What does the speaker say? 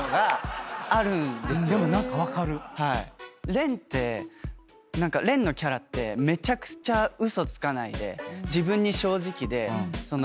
レンって何かレンのキャラってめちゃくちゃ嘘つかないで自分に正直でその。